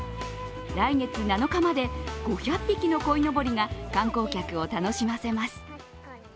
来月７日まで、５００匹のこいのぼりが観光客を楽しませます。